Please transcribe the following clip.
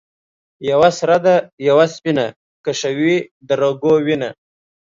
یوه سره ده یوه سپینه ـ کشوي د رګو وینه